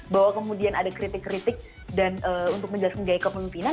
bahwa kemudian ada kritik kritik dan untuk menjelaskan gaya kepemimpinan